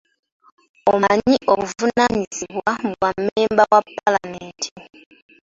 Omanyi obuvunaanyizibwa bwa mmemba wa palamenti?